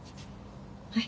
はい。